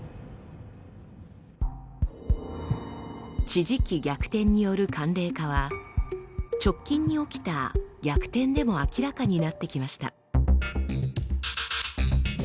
地磁気逆転による寒冷化は直近に起きた逆転でも明らかになってきました。